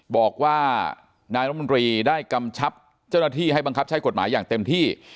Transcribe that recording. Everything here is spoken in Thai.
บอกว่านายรมนตรีได้กำชับเจ้าหน้าที่ให้บังคับใช้กฎหมายอย่างเต็มที่